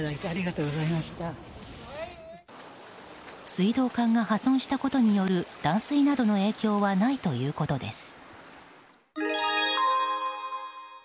水道管が破損したことによる断水などの影響はないということです。